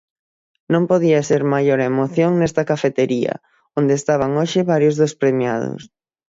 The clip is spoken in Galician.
Non podía ser maior a emoción nesta cafetería, onde estaban hoxe varios dos premiados.